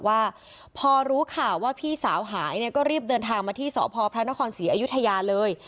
ว่าพอรู้ข่าวว่าพี่สาวหายเนี่ยก็รีบเดินทางมาที่สพพระนครศรีอยุธยาเลย